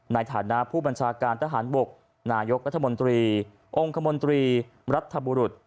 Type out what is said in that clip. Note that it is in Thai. ในฐานะผู้บัญชาการทหารบกนายกรัฐมนตรีองค์คมนตรีรัฐบุรุษ